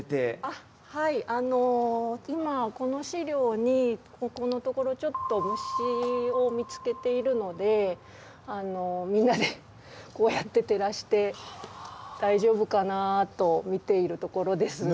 あっはいあの今この資料にここのところちょっと虫を見つけているのでみんなでこうやって照らして大丈夫かなと見ているところです。